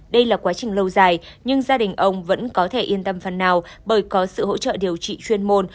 đây là quá trình lâu dài nhưng gia đình ông vẫn có thể yên tâm phần nào bởi có sự hỗ trợ điều trị chuyên môn